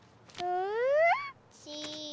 うん？